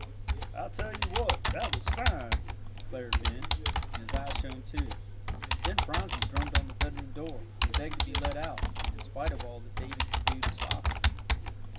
"I tell you what, that was fine!" declared Ben, and his eyes shone too. Then Phronsie drummed on the bedroom door, and begged to be let out, in spite of all that Davie could do to stop her.